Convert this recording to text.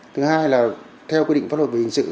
thứ hai là theo quy định pháp luật về hình sự